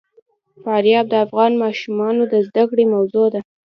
فاریاب د افغان ماشومانو د زده کړې موضوع ده.